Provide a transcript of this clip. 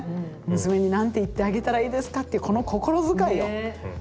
娘に何て言ってあげたらいいですかっていうこの心遣いよ。